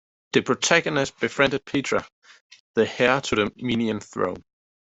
The protagonists befriend Petra, the heir to the Minean throne.